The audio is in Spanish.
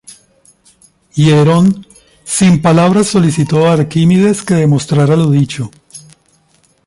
Hierón, sin palabras, solicitó a Arquímedes que demostrara lo dicho.